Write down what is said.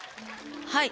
はい。